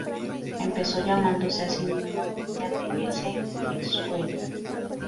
Empezó llamándose a sí mismo "Cristián de Hesse-Eschwege".